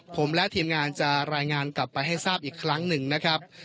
ผมและทีมงานจะรายงานกลับไปให้ทราบอีกครั้งหนึ่งนะครับ